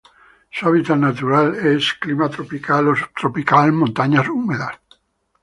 Su hábitat natural es: clima tropical o subtropical, montañas húmedas.